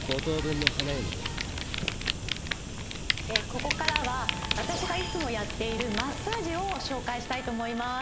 ここからは私がいつもやっているマッサージを紹介したいと思います